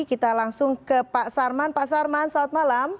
kita langsung ke pak sarman pak sarman selamat malam